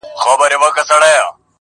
o پرون مي دومره اوښكي توى كړې گراني.